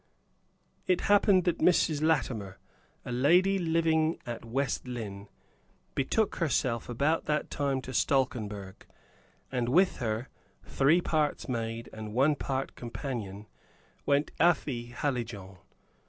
It happened that Mrs. Latimer, a lady living at West Lynne, betook herself about that time to Stalkenberg, and with her, three parts maid and one part companion, went Afy Hallijohn.